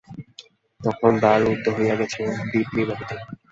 তখন দ্বার রুদ্ধ হইয়া গিয়াছে, দীপ নির্বাপিত।